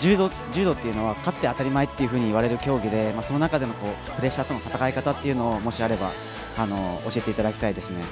柔道というのは勝って当たり前と言われる競技でその中でのプレッシャーとの戦い方というのをもしあれば教えていただきたいですね。